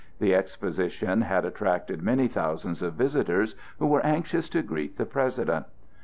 The Exposition had attracted many thousands of visitors who were anxious to greet the President.